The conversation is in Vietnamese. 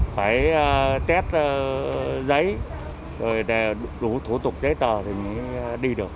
phải chép giấy rồi đủ thủ tục giấy tờ thì mới đi được